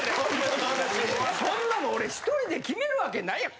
そんなの俺１人で決める訳ないやん！